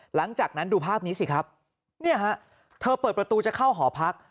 หลังจากนั้นดูภาพนี้สิครับเนี่ยฮะเธอเปิดประตูจะเข้าหอพัก